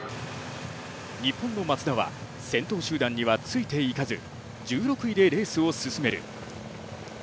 日本の松田は、先頭集団にはついていかず１６位でレースを進める。